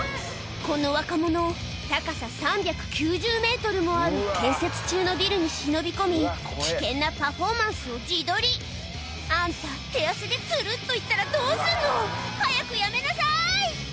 この若者高さ３９０ｍもある建設中のビルに忍び込み危険なパフォーマンスを自撮りあんた手汗でツルっと行ったらどうすんの？早くやめなさい！